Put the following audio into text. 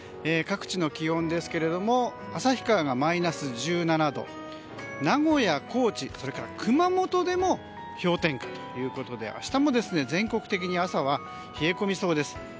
各地の気温ですけれども旭川がマイナス１７度名古屋、高知、熊本でも氷点下ということで明日も全国的に朝は冷え込みそうです。